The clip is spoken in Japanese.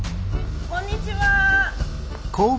こんにちは。